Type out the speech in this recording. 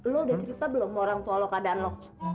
lo udah cerita belum sama orang tua lo keadaan lo